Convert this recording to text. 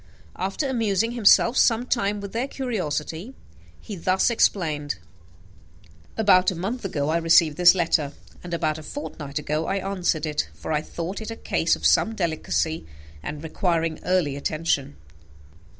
After amusing himself some time with their curiosity, he thus explained: "About a month ago I received this letter, and about a fortnight ago I answered it; for I thought it a case of some delicacy, and requiring early attention.